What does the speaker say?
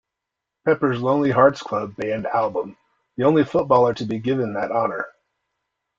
Pepper's Lonely Hearts Club Band album, the only footballer to be given that honour.